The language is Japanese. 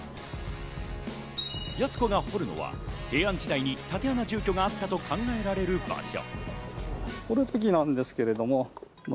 やす子が掘るのは平安時代に堅穴住居があったと考えられる場所。